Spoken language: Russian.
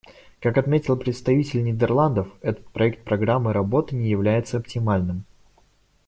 Как отметил представитель Нидерландов, этот проект программы работы не является оптимальным.